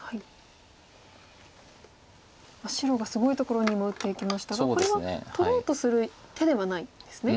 白がすごいところに今打っていきましたがこれは取ろうとする手ではないんですね。